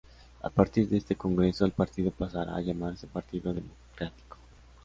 A partir de este congreso, el partido pasará a llamarse Partido Democrático.